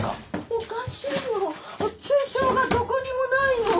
おかしいの通帳がどこにもないの！